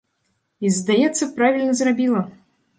І, здаецца, правільна зрабіла.